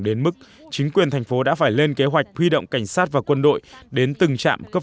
đến mức chính quyền thành phố đã phải lên kế hoạch huy động cảnh sát và quân đội đến từng trạm cấp